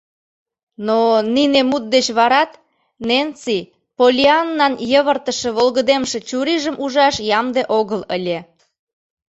Но Нине мут деч варат Ненси Поллианнан йывыртыше волгыдемше чурийжым ужаш ямде огыл ыле.